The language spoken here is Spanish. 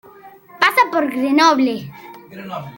Pasa por Grenoble.